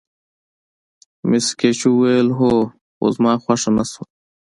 مس ګېج وویل: هو، خو زما خوښه نه شول.